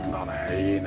いいね。